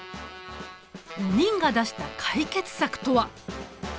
４人が出した解決策とは。